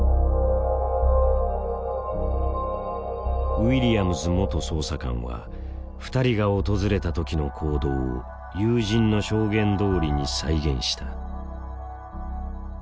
ウィリアムズ元捜査官は２人が訪れた時の行動を友人の証言どおりに再現した。